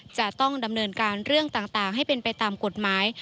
จะต้องดำเนินการเรื่องต่างให้เป็นไปตามกฎหมาย